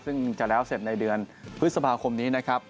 ซึ่งจะแล้วเสร็จในเดือนพฤษภาคมนี้นะครับ